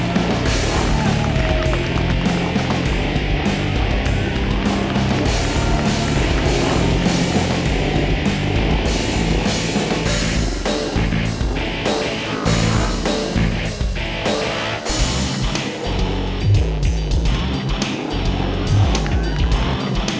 gue mau ke rumah